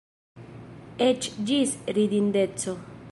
Eĉ ĝis ridindeco.